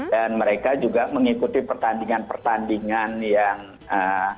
dan mereka juga mengikuti pertandingan pertandingan yang ee